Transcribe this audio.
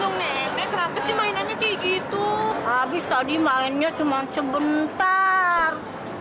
itu nenek kenapa sih mainannya kayak gitu habis tadi mainnya cuma sebentar